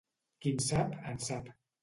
Qui en sap, en sap.